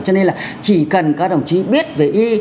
cho nên là chỉ cần các đồng chí biết về y